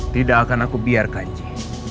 tidak akan aku biarkan ji